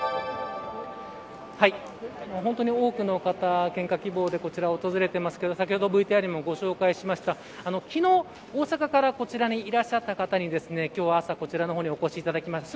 本当に多くの方、献花希望でこちらを訪れていますが先ほどＶＴＲでもご紹介しました昨日、大阪からこちらにいらっしゃった方に今日、朝こちらにお越しいただきました。